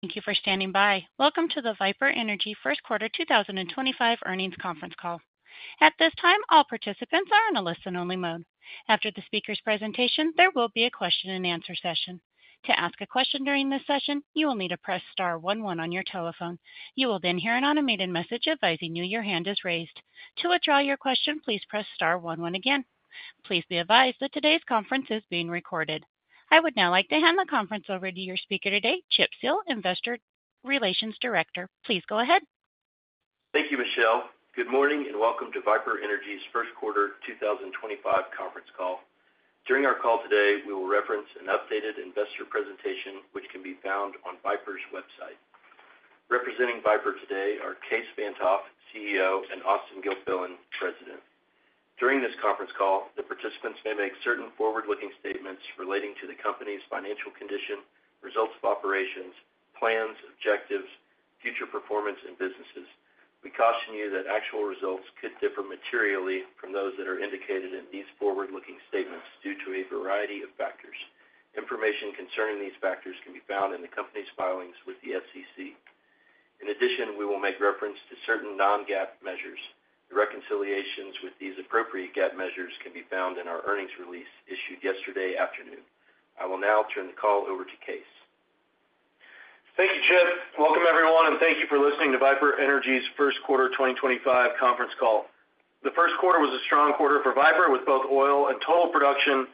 Thank you for standing by. Welcome to the Viper Energy First Quarter 2025 Earnings Conference Call. At this time, all participants are in a listen-only mode. After the speaker's presentation, there will be a question-and-answer session. To ask a question during this session, you will need to press star 11 on your telephone. You will then hear an automated message advising you your hand is raised. To withdraw your question, please press star 11 again. Please be advised that today's conference is being recorded. I would now like to hand the conference over to your speaker today, Chip Seale, Investor Relations Director. Please go ahead. Thank you, Michelle. Good morning and welcome to Viper Energy's First Quarter 2025 Conference Call. During our call today, we will reference an updated investor presentation, which can be found on Viper's website. Representing Viper today are Kaes Van't Hof, CEO, and Austen Gilfillian, President. During this conference call, the participants may make certain forward-looking statements relating to the company's financial condition, results of operations, plans, objectives, future performance and businesses. We caution you that actual results could differ materially from those that are indicated in these forward-looking statements due to a variety of factors. Information concerning these factors can be found in the company's filings with the SEC. In addition, we will make reference to certain non-GAAP measures. The reconciliations with these appropriate GAAP measures can be found in our earnings release issued yesterday afternoon. I will now turn the call over to Kaes. Thank you, Chip. Welcome, everyone, and thank you for listening to Viper Energy's First Quarter 2025 Conference Call. The first quarter was a strong quarter for Viper, with both oil and total production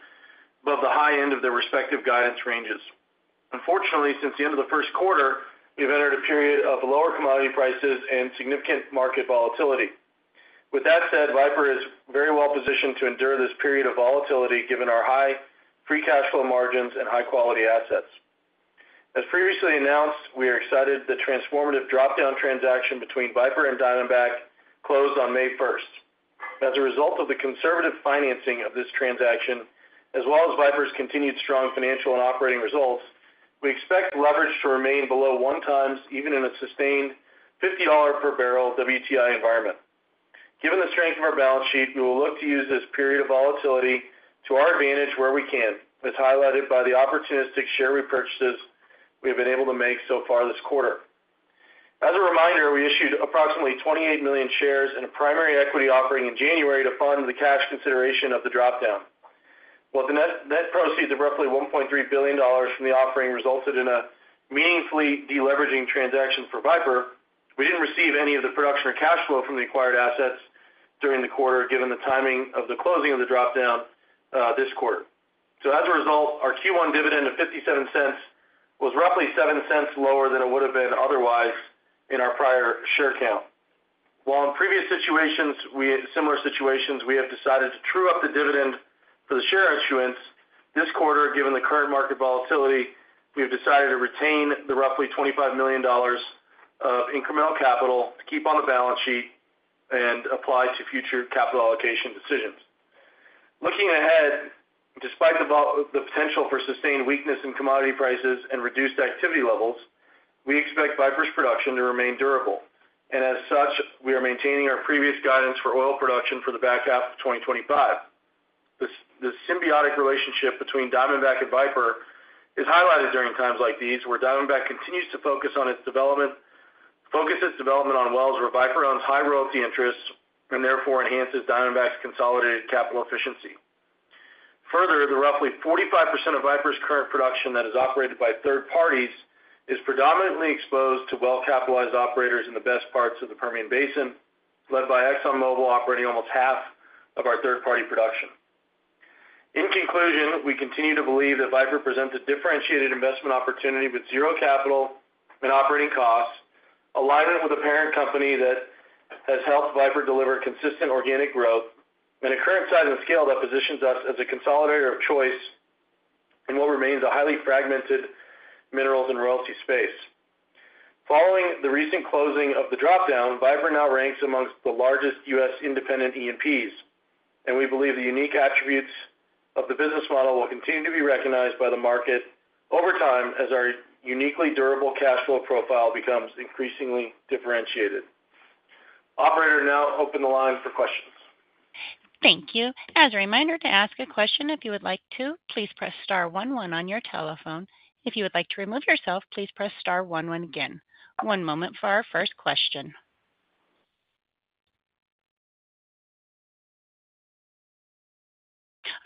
above the high end of their respective guidance ranges. Unfortunately, since the end of the first quarter, we've entered a period of lower commodity prices and significant market volatility. With that said, Viper is very well positioned to endure this period of volatility, given our high free cash flow margins and high-quality assets. As previously announced, we are excited that the transformative dropdown transaction between Viper and Diamondback closed on May 1. As a result of the conservative financing of this transaction, as well as Viper's continued strong financial and operating results, we expect leverage to remain below one times, even in a sustained $50 per barrel WTI environment. Given the strength of our balance sheet, we will look to use this period of volatility to our advantage where we can, as highlighted by the opportunistic share repurchases we have been able to make so far this quarter. As a reminder, we issued approximately 28 million shares in a primary equity offering in January to fund the cash consideration of the dropdown. While the net proceeds of roughly $1.3 billion from the offering resulted in a meaningfully deleveraging transaction for Viper, we did not receive any of the production or cash flow from the acquired assets during the quarter, given the timing of the closing of the dropdown this quarter. As a result, our Q1 dividend of $0.57 was roughly $0.07 lower than it would have been otherwise in our prior share count. While in previous situations, we have decided to true up the dividend for the share issuance, this quarter, given the current market volatility, we have decided to retain the roughly $25 million of incremental capital to keep on the balance sheet and apply to future capital allocation decisions. Looking ahead, despite the potential for sustained weakness in commodity prices and reduced activity levels, we expect Viper's production to remain durable, and as such, we are maintaining our previous guidance for oil production for the back half of 2025. The symbiotic relationship between Diamondback and Viper is highlighted during times like these, where Diamondback continues to focus on its development on wells where Viper owns high royalty interests and therefore enhances Diamondback's consolidated capital efficiency. Further, the roughly 45% of Viper's current production that is operated by third parties is predominantly exposed to well-capitalized operators in the best parts of the Permian Basin, led by ExxonMobil operating almost half of our third-party production. In conclusion, we continue to believe that Viper presents a differentiated investment opportunity with zero capital and operating costs, alignment with a parent company that has helped Viper deliver consistent organic growth, and a current size and scale that positions us as a consolidator of choice in what remains a highly fragmented minerals and royalty space. Following the recent closing of the dropdown, Viper now ranks amongst the largest U.S. independent E&Ps, and we believe the unique attributes of the business model will continue to be recognized by the market over time as our uniquely durable cash flow profile becomes increasingly differentiated. Operator, now open the line for questions. Thank you. As a reminder to ask a question, if you would like to, please press star 11 on your telephone. If you would like to remove yourself, please press star 11 again. One moment for our first question.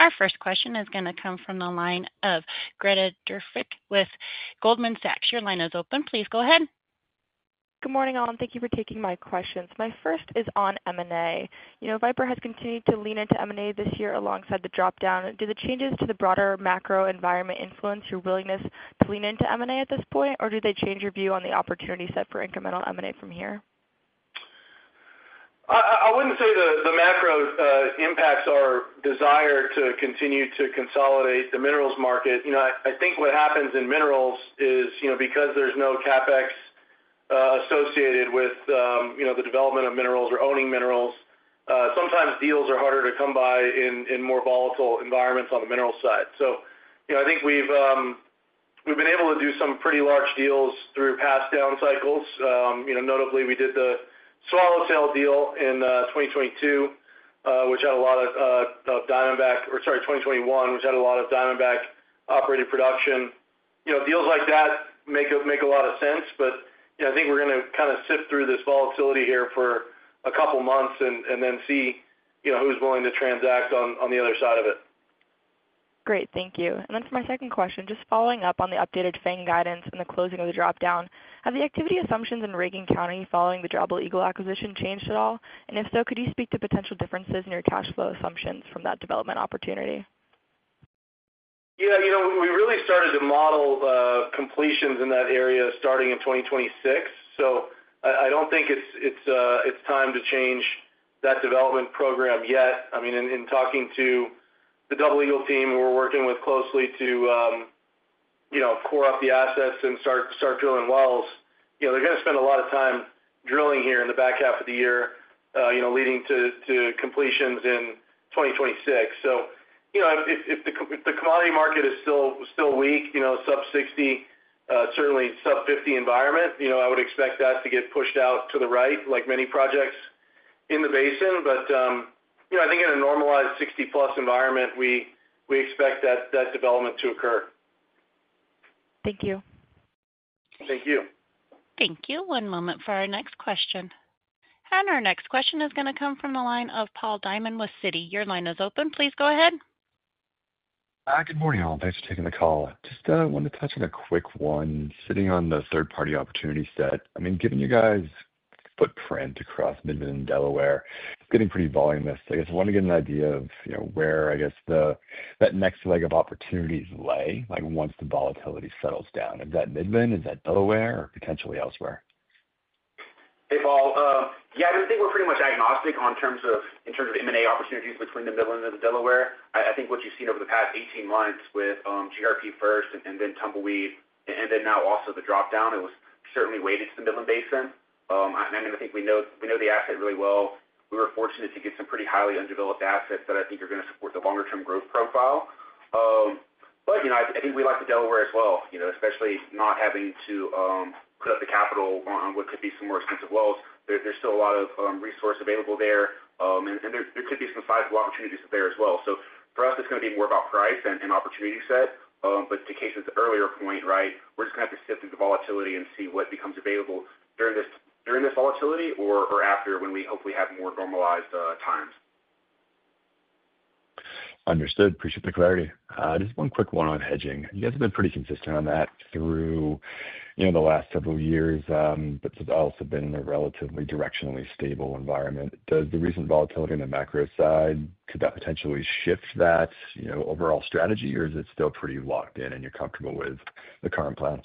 Our first question is going to come from the line of Greta Drefke with Goldman Sachs. Your line is open. Please go ahead. Good morning, all, and thank you for taking my questions. My first is on M&A. You know, Viper has continued to lean into M&A this year alongside the dropdown. Do the changes to the broader macro environment influence your willingness to lean into M&A at this point, or do they change your view on the opportunity set for incremental M&A from here? I wouldn't say the macro impacts our desire to continue to consolidate the minerals market. You know, I think what happens in minerals is, you know, because there's no CapEx associated with, you know, the development of minerals or owning minerals, sometimes deals are harder to come by in more volatile environments on the mineral side. You know, I think we've been able to do some pretty large deals through past down cycles. You know, notably, we did the Swallowtail deal in 2021, which had a lot of Diamondback operating production. You know, deals like that make a lot of sense, but, you know, I think we're going to kind of sift through this volatility here for a couple of months and then see, you know, who's willing to transact on the other side of it. Great. Thank you. For my second question, just following up on the updated FANG guidance and the closing of the dropdown, have the activity assumptions in Reagan County following the Double Eagle acquisition changed at all? If so, could you speak to potential differences in your cash flow assumptions from that development opportunity? Yeah. You know, we really started to model completions in that area starting in 2026. I do not think it is time to change that development program yet. I mean, in talking to the Double Eagle team, who we are working with closely to, you know, core up the assets and start drilling wells, you know, they are going to spend a lot of time drilling here in the back half of the year, leading to completions in 2026. You know, if the commodity market is still weak, sub-$60, certainly sub-$50 environment, I would expect that to get pushed out to the right, like many projects in the basin. You know, I think in a normalized $60-plus environment, we expect that development to occur. Thank you. Thank you. Thank you. One moment for our next question. Our next question is going to come from the line of Paul Diamond with Citi. Your line is open. Please go ahead. Good morning, all. Thanks for taking the call. Just wanted to touch on a quick one. Sitting on the third-party opportunity set, I mean, given you guys' footprint across Midland and Delaware, it's getting pretty voluminous. I guess I want to get an idea of, you know, where, I guess, that next leg of opportunities lay, like, once the volatility settles down. Is that Midland? Is that Delaware? Or potentially elsewhere? Hey, Paul. Yeah, I think we're pretty much agnostic in terms of M&A opportunities between the Midland and the Delaware. I think what you've seen over the past 18 months with GRP first and then Tumbleweed, and then now also the dropdown, it was certainly weighted to the Midland Basin. I mean, I think we know the asset really well. We were fortunate to get some pretty highly undeveloped assets that I think are going to support the longer-term growth profile. But, you know, I think we like the Delaware as well, you know, especially not having to put up the capital on what could be some more expensive wells. There's still a lot of resource available there, and there could be some sizable opportunities there as well. For us, it's going to be more about price and opportunity set. To Kaes's earlier point, right, we're just going to have to sift through the volatility and see what becomes available during this volatility or after when we hopefully have more normalized times. Understood. Appreciate the clarity. Just one quick one on hedging. You guys have been pretty consistent on that through, you know, the last several years, but it's also been in a relatively directionally stable environment. Does the recent volatility on the macro side, could that potentially shift that overall strategy, or is it still pretty locked in and you're comfortable with the current plan?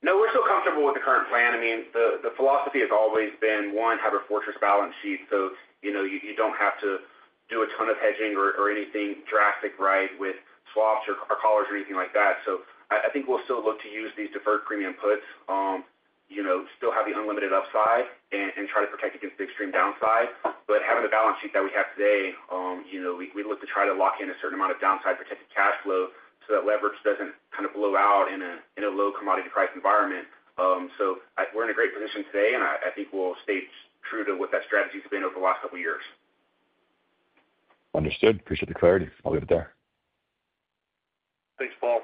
No, we're still comfortable with the current plan. I mean, the philosophy has always been, one, have a fortress balance sheet, so, you know, you don't have to do a ton of hedging or anything drastic, right, with swaps or collars or anything like that. I think we'll still look to use these deferred premium puts, you know, still have the unlimited upside and try to protect against the extreme downside. Having the balance sheet that we have today, you know, we look to try to lock in a certain amount of downside protected cash flow so that leverage doesn't kind of blow out in a low commodity price environment. We're in a great position today, and I think we'll stay true to what that strategy has been over the last couple of years. Understood. Appreciate the clarity. I'll leave it there. Thanks, Paul.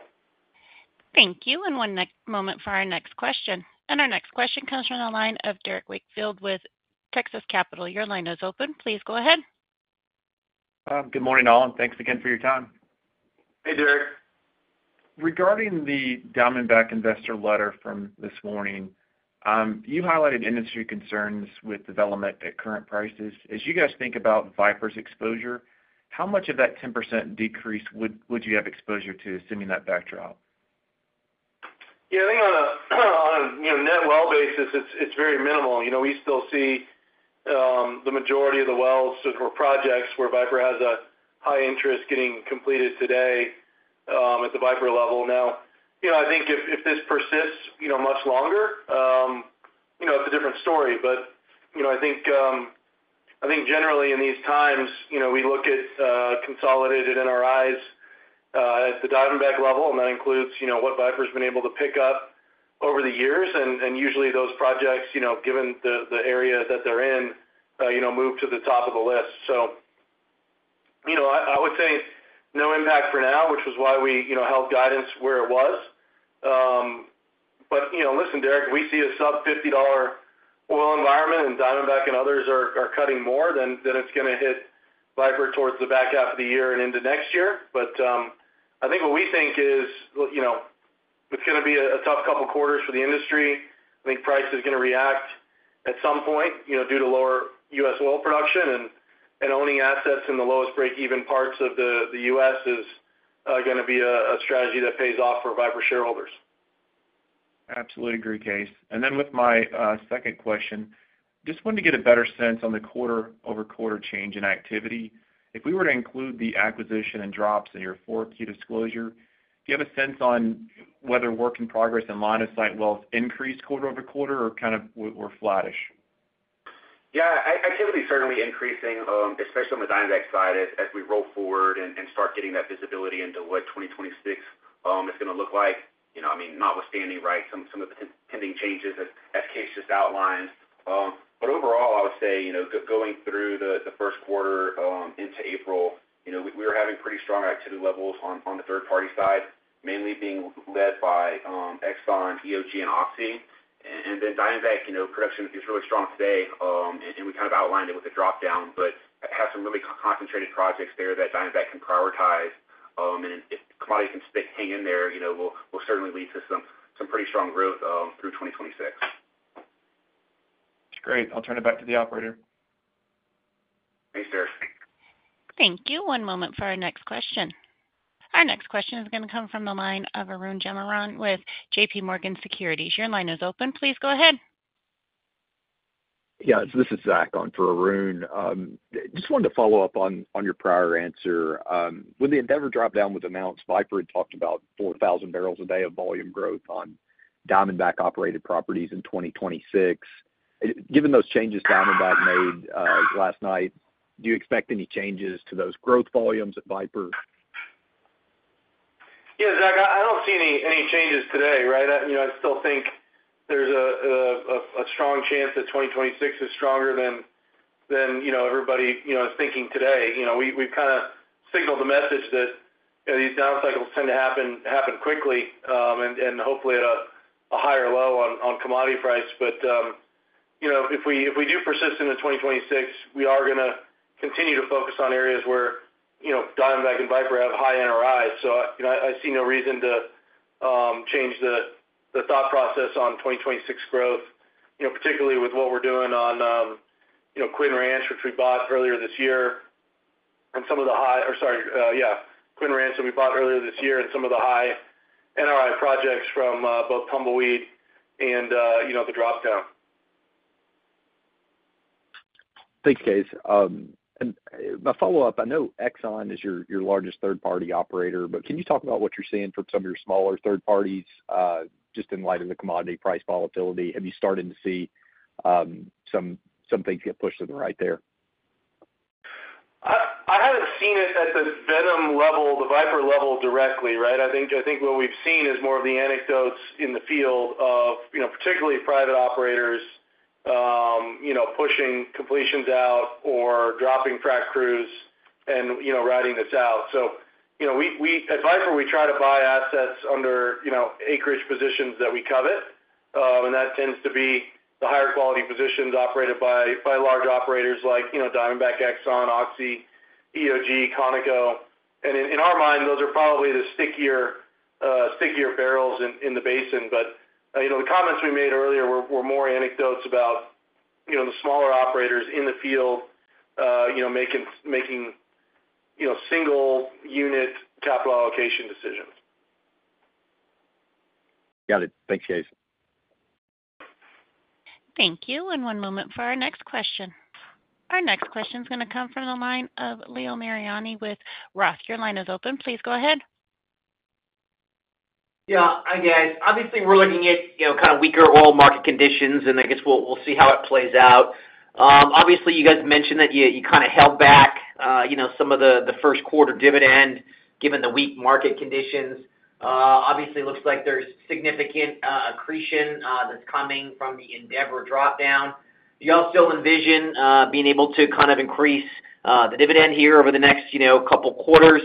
Thank you. One moment for our next question. Our next question comes from the line of Derrick Whitfield with Texas Capital. Your line is open. Please go ahead. Good morning, all, and thanks again for your time. Hey, Derrick. Regarding the Diamondback investor letter from this morning, you highlighted industry concerns with development at current prices. As you guys think about Viper's exposure, how much of that 10% decrease would you have exposure to assuming that backdrop? Yeah, I think on a net well basis, it's very minimal. You know, we still see the majority of the wells for projects where Viper has a high interest getting completed today at the Viper level. Now, you know, I think if this persists much longer, you know, it's a different story. You know, I think generally in these times, you know, we look at consolidated NRIs at the Diamondback level, and that includes what Viper's been able to pick up over the years. Usually those projects, you know, given the area that they're in, you know, move to the top of the list. You know, I would say no impact for now, which was why we, you know, held guidance where it was. You know, listen, Derrick, we see a sub-$50 oil environment, and Diamondback and others are cutting more than it's going to hit Viper towards the back half of the year and into next year. I think what we think is, you know, it's going to be a tough couple of quarters for the industry. I think price is going to react at some point, you know, due to lower U.S. oil production, and owning assets in the lowest break-even parts of the U.S. is going to be a strategy that pays off for Viper shareholders. Absolutely agree, Kaes. With my second question, just wanted to get a better sense on the quarter-over-quarter change in activity. If we were to include the acquisition and drops in your 4-key disclosure, do you have a sense on whether work in progress in line-of-sight wells increased quarter over quarter or kind of were flattish? Yeah, activity is certainly increasing, especially on the Diamondback side, as we roll forward and start getting that visibility into what 2026 is going to look like. You know, I mean, notwithstanding, right, some of the pending changes, as Kaes just outlined. Overall, I would say, you know, going through the first quarter into April, you know, we were having pretty strong activity levels on the third-party side, mainly being led by ExxonMobil, EOG, and Occi. Diamondback, you know, production is really strong today, and we kind of outlined it with the dropdown, but have some really concentrated projects there that Diamondback can prioritize. If commodity can stick, hang in there, you know, will certainly lead to some pretty strong growth through 2026. Great. I'll turn it back to the operator. Thanks, Derrick. Thank you. One moment for our next question. Our next question is going to come from the line of Arun Jayaram with J.P. Morgan Securities. Your line is open. Please go ahead. Yeah, this is Zach on for Arun. Just wanted to follow up on your prior answer. With the Endeavor dropdown with amounts, Viper had talked about 4,000 barrels a day of volume growth on Diamondback-operated properties in 2026. Given those changes Diamondback made last night, do you expect any changes to those growth volumes at Viper? Yeah, Zach, I don't see any changes today, right? You know, I still think there's a strong chance that 2026 is stronger than, you know, everybody, you know, is thinking today. You know, we've kind of signaled the message that these down cycles tend to happen quickly and hopefully at a higher low on commodity price. You know, if we do persist into 2026, we are going to continue to focus on areas where, you know, Diamondback and Viper have high NRIs. So, you know, I see no reason to change the thought process on 2026 growth, you know, particularly with what we're doing on, you know, Quinn Ranch, which we bought earlier this year, and some of the high, or sorry, yeah, Quinn Ranch that we bought earlier this year, and some of the high NRI projects from both Tumbleweed and, you know, the dropdown. Thanks, Kaes. My follow-up, I know Exxon is your largest third-party operator, but can you talk about what you're seeing from some of your smaller third parties just in light of the commodity price volatility? Have you started to see some things get pushed to the right there? I haven't seen it at the Viper level directly, right? I think what we've seen is more of the anecdotes in the field of, you know, particularly private operators, you know, pushing completions out or dropping frac crews and, you know, riding this out. You know, at Viper, we try to buy assets under, you know, acreage positions that we covet. That tends to be the higher quality positions operated by large operators like, you know, Diamondback, Exxon, Occi, EOG, Conoco. In our mind, those are probably the stickier barrels in the basin. The comments we made earlier were more anecdotes about, you know, the smaller operators in the field, you know, making, you know, single-unit capital allocation decisions. Got it. Thanks, Kaes. Thank you. One moment for our next question. Our next question is going to come from the line of Leo Mariani with ROTH. Your line is open. Please go ahead. Yeah. Hi, guys. Obviously, we're looking at, you know, kind of weaker oil market conditions, and I guess we'll see how it plays out. Obviously, you guys mentioned that you kind of held back, you know, some of the first-quarter dividend given the weak market conditions. Obviously, it looks like there's significant accretion that's coming from the Endeavor dropdown. Do you all still envision being able to kind of increase the dividend here over the next, you know, couple of quarters,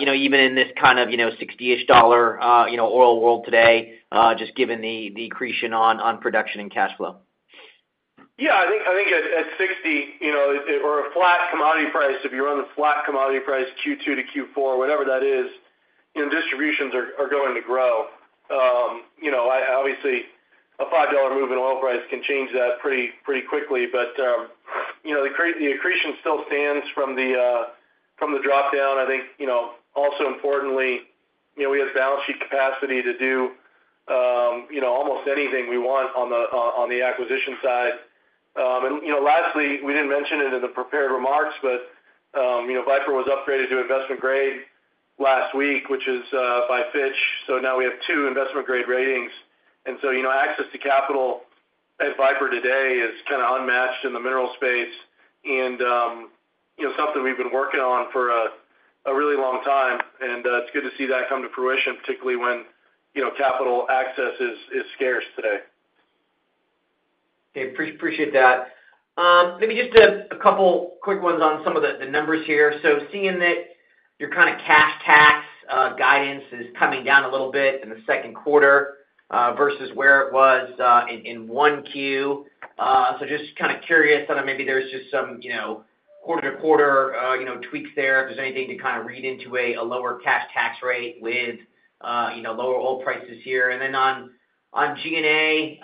you know, even in this kind of, you know, $60-ish dollar, you know, oil world today, just given the accretion on production and cash flow? Yeah, I think at $60, you know, or a flat commodity price, if you're on the flat commodity price Q2 to Q4, whatever that is, you know, distributions are going to grow. You know, obviously, a $5 move in oil price can change that pretty quickly. But, you know, the accretion still stands from the dropdown. I think, you know, also importantly, you know, we have balance sheet capacity to do, you know, almost anything we want on the acquisition side. You know, lastly, we did not mention it in the prepared remarks, but, you know, Viper was upgraded to investment grade last week, which is by Fitch. So now we have two investment grade ratings. You know, access to capital at Viper today is kind of unmatched in the mineral space and, you know, something we've been working on for a really long time. It is good to see that come to fruition, particularly when, you know, capital access is scarce today. Okay. Appreciate that. Maybe just a couple quick ones on some of the numbers here. Seeing that your kind of cash tax guidance is coming down a little bit in the second quarter versus where it was in 1Q. Just kind of curious on maybe there's just some, you know, quarter-to-quarter, you know, tweaks there, if there's anything to kind of read into a lower cash tax rate with, you know, lower oil prices here. On G&A,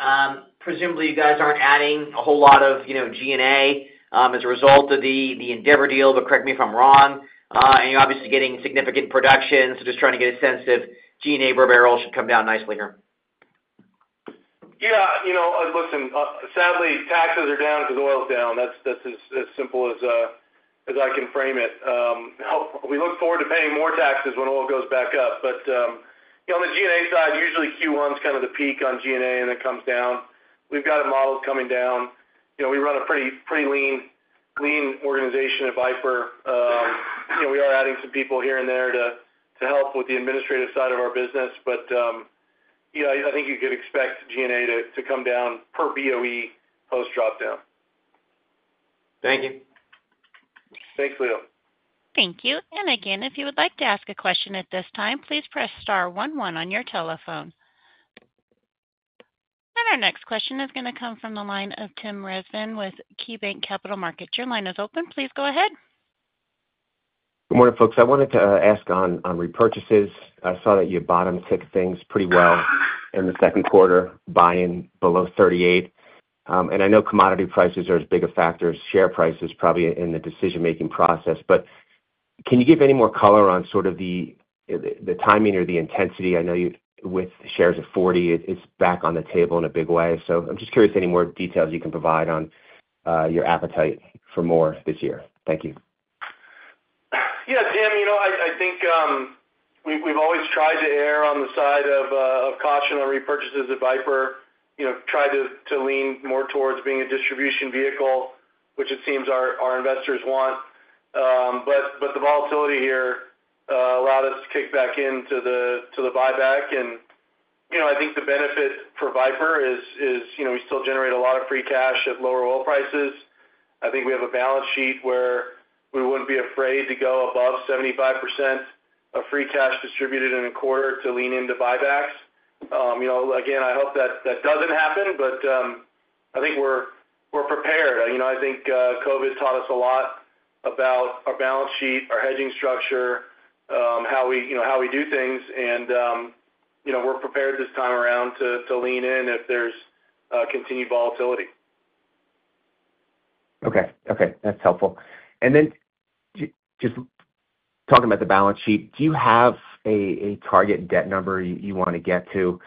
presumably you guys aren't adding a whole lot of, you know, G&A as a result of the Endeavor deal, but correct me if I'm wrong. You're obviously getting significant production, so just trying to get a sense if G&A per barrel should come down nicely here. Yeah. You know, listen, sadly, taxes are down because oil's down. That's as simple as I can frame it. We look forward to paying more taxes when oil goes back up. On the G&A side, usually Q1 is kind of the peak on G&A and then comes down. We've got a model coming down. You know, we run a pretty lean organization at Viper. You know, we are adding some people here and there to help with the administrative side of our business. You know, I think you could expect G&A to come down per BOE post-dropdown. Thank you. Thanks, Leo. Thank you. If you would like to ask a question at this time, please press star 11 on your telephone. Our next question is going to come from the line of Tim Rezvan with KeyBanc Capital Markets. Your line is open. Please go ahead. Good morning, folks. I wanted to ask on repurchases. I saw that you bottom-ticked things pretty well in the second quarter, buying below $38. I know commodity prices are as big a factor as share prices probably in the decision-making process. Can you give any more color on sort of the timing or the intensity? I know with shares at $40, it is back on the table in a big way. I am just curious any more details you can provide on your appetite for more this year. Thank you. Yeah, Tim, you know, I think we've always tried to err on the side of caution on repurchases at Viper, you know, tried to lean more towards being a distribution vehicle, which it seems our investors want. The volatility here allowed us to kick back into the buyback. You know, I think the benefit for Viper is, you know, we still generate a lot of free cash at lower oil prices. I think we have a balance sheet where we wouldn't be afraid to go above 75% of free cash distributed in a quarter to lean into buybacks. You know, again, I hope that that doesn't happen, but I think we're prepared. I think COVID taught us a lot about our balance sheet, our hedging structure, how we do things. You know, we're prepared this time around to lean in if there's continued volatility. Okay. Okay. That's helpful. And then just talking about the balance sheet, do you have a target debt number you want to get to?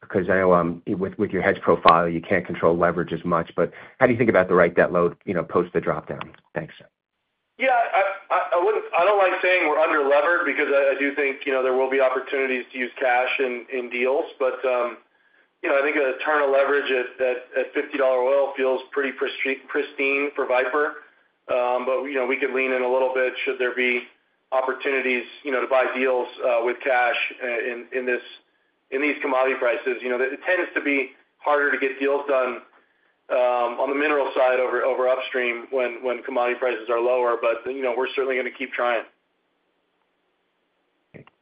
Because I know with your hedge profile, you can't control leverage as much. But how do you think about the right debt load, you know, post the dropdown? Thanks. Yeah. I don't like saying we're under-levered because I do think, you know, there will be opportunities to use cash in deals. But, you know, I think a turn of leverage at $50 oil feels pretty pristine for Viper. But, you know, we could lean in a little bit should there be opportunities, you know, to buy deals with cash in these commodity prices. You know, it tends to be harder to get deals done on the mineral side over upstream when commodity prices are lower. But, you know, we're certainly going to keep trying.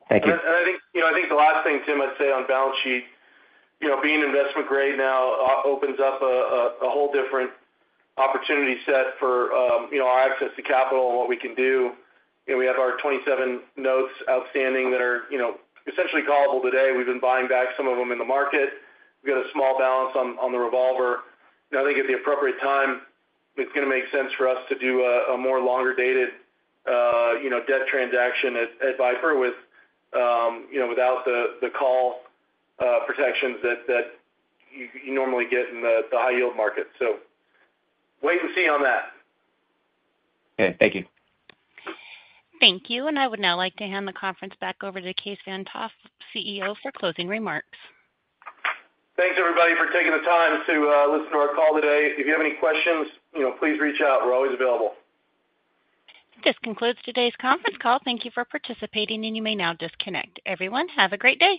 Thank you. I think, you know, I think the last thing, Tim, I'd say on balance sheet, you know, being investment grade now opens up a whole different opportunity set for, you know, our access to capital and what we can do. You know, we have our 27 notes outstanding that are, you know, essentially callable today. We've been buying back some of them in the market. We've got a small balance on the revolver. I think at the appropriate time, it's going to make sense for us to do a more longer-dated, you know, debt transaction at Viper with, you know, without the call protections that you normally get in the high-yield market. Wait and see on that. Okay. Thank you. Thank you. I would now like to hand the conference back over to Kaes Van't Hof, CEO, for closing remarks. Thanks, everybody, for taking the time to listen to our call today. If you have any questions, you know, please reach out. We're always available. This concludes today's conference call. Thank you for participating, and you may now disconnect. Everyone, have a great day.